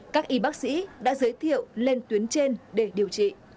các y bác sĩ đã giới thiệu lên tuyến trên để điều trị